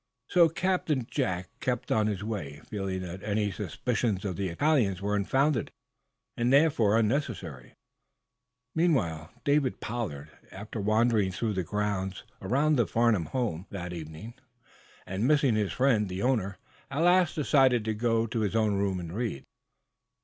So Captain Jack kept on his way, feeling that any suspicions of the Italians were unfounded and therefore unnecessary. David Pollard, after wandering through the grounds around the Farnum home, that evening, and missing his friend, the owner, at last decided to go to his own room and read.